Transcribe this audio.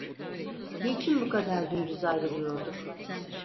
Niçin bu kadar dümdüz ayrılıyorduk?